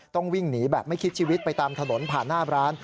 ต้องวิ่งหนีแบบไม่คิดชีวิตไปตามถนนผ่านหน้าร้าน